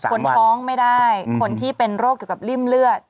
คนท้องไม่ได้คนที่เป็นโรคเกี่ยวกับริ่มเลือด